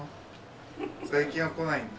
最近は来ないんだ。